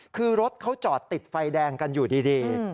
คือรถเขาจอดติดไฟแดงกันอยู่ดี